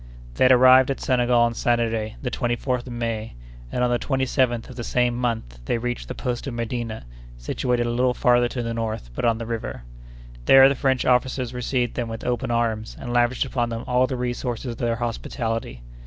They had arrived at Senegal on Saturday, the 24th of May, and on the 27th of the same month they reached the post of Medina, situated a little farther to the north, but on the river. There the French officers received them with open arms, and lavished upon them all the resources of their hospitality.